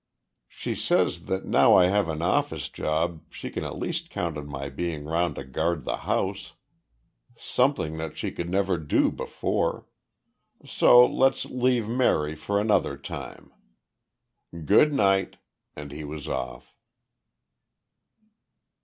She says that now I have an office job she can at least count on my being round to guard the house something that she never could do before. So let's leave Mary for another time. Goodnight" and he was off.